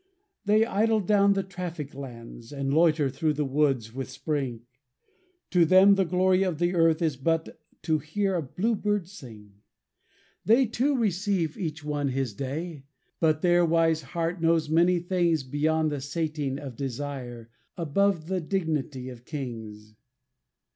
They idle down the traffic lands, And loiter through the woods with spring; To them the glory of the earth Is but to hear a bluebird sing. They too receive each one his Day; But their wise heart knows many things Beyond the sating of desire, Above the dignity of kings.